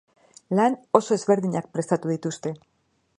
Lan oso ezberdinak prestatu dituzte.